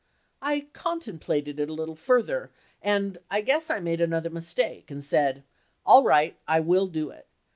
I contemplated it a little further, and I guess I made another mistake and said, "All right, I will do it."